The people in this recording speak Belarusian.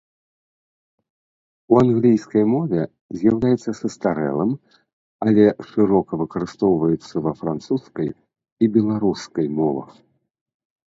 У англійскай мове з'яўляецца састарэлым, але шырока выкарыстоўваецца ва французскай і беларускай мовах.